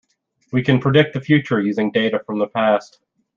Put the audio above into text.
We can predict the future, using data from the past.